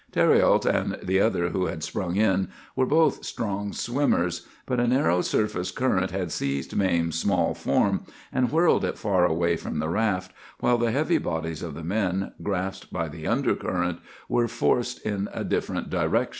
"Thériault and the other who had sprung in were both strong swimmers; but a narrow surface current had seized Mame's small form, and whirled it far away from the raft, while the heavy bodies of the men, grasped by the under current, were forced in a different direction.